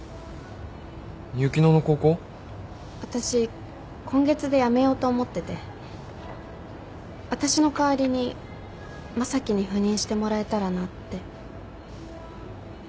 私今月で辞めようと思ってて私の代わりに正樹に赴任してもらえたらなって。